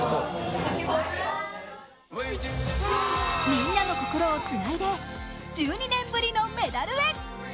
みんなの心をつないで、１２年ぶりのメダルへ。